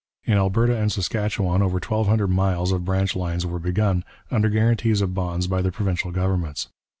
In Alberta and Saskatchewan over 1200 miles of branch lines were begun, under guarantees of bonds by the provincial governments.